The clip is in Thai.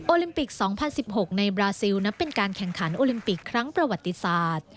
ลิมปิก๒๐๑๖ในบราซิลนับเป็นการแข่งขันโอลิมปิกครั้งประวัติศาสตร์